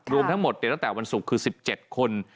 รวมทั้งหมดตั้งแต่วันศุกร์คือ๑๗คน